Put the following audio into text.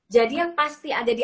jadi yang pasti ada di